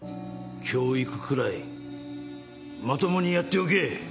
教育くらいまともにやっておけ。